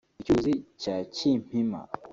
Icyuzi cya Kimpima